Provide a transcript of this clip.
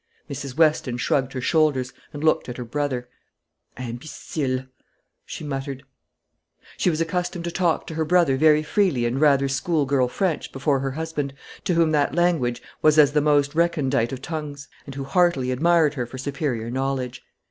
Mrs. Weston shrugged her shoulders, and looked at her brother. "Imbécile!" she muttered. She was accustomed to talk to her brother very freely in rather school girl French before her husband, to whom that language was as the most recondite of tongues, and who heartily admired her for superior knowledge.